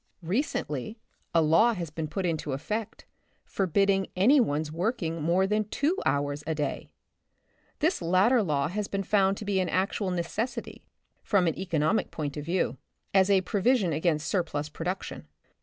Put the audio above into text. Recently a law has been put into effect, forbidding any one's working more than two hours a day. This lat ter law has been found to be an actual neces sity, from an economic point of view, as a pro vision against surplus production.